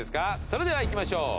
それではいきましょう。